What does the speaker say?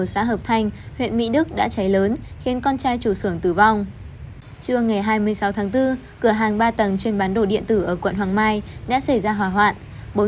chưa ngày hai mươi sáu tháng bốn cửa hàng ba tầng trên bán đồ điện tử ở quận hoàng mai đã xảy ra hỏa hoạn